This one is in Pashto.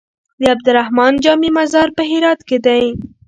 د عبدالرحمن جامي مزار په هرات کی دی